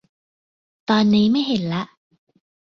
ตอนนี้ไม่เห็นละ